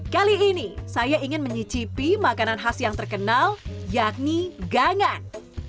kali ini saya ingin mencicipi makanan khas yang terkenal yakni gangan